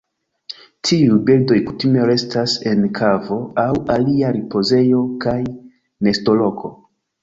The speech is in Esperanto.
Tiuj birdoj kutime restas en kavo aŭ alia ripozejo kaj nestoloko.